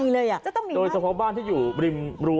โดยเฉพาะบ้านที่อยู่ริมรั้